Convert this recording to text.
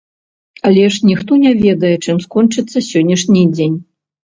Але ж ніхто не ведае, чым скончыцца сённяшні дзень.